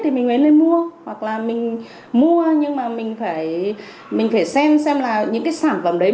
thì mình nên mua hoặc là mình mua nhưng mà mình phải xem là những cái sản phẩm đấy